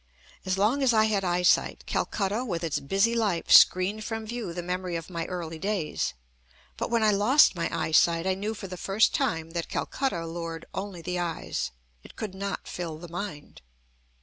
As long as I had eyesight, Calcutta with its busy life screened from view the memory of my early days. But when I lost my eyesight I knew for the first time that Calcutta allured only the eyes: it could not fill the mind.